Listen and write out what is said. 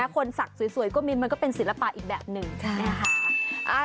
สักสวยก็มีมันก็เป็นศิลปะอีกแบบหนึ่งนะคะ